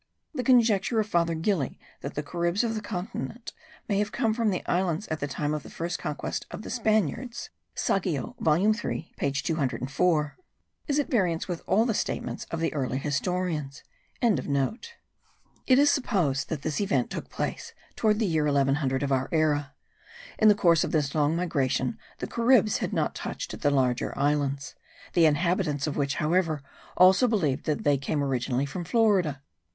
The conjecture of Father Gili that the Caribs of the continent may have come from the islands at the time of the first conquest of the Spaniards (Saggio volume 3 page 204), is at variance with all the statements of the early historians.) It is supposed that this event took place toward the year 1100 of our era. In the course of this long migration the Caribs had not touched at the larger islands; the inhabitants of which however also believed that they came originally from Florida.